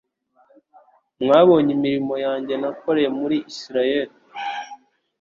Mwabonye imirimo yanjye nakoreye mu Isiraeli.